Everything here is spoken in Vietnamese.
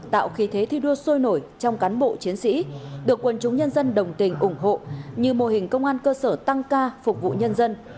tạo khí thế thi đua sôi nổi trong cán bộ chiến sĩ được quân chúng nhân dân đồng tình ủng hộ như mô hình công an cơ sở tăng ca phục vụ nhân dân